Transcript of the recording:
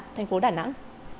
thành phố đà nẵng